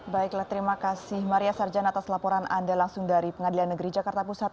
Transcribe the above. baiklah terima kasih maria sarjan atas laporan anda langsung dari pengadilan negeri jakarta pusat